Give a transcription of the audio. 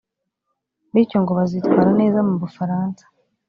bityo ngo bazitwara neza mu Bufaransa